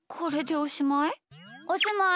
おしまい。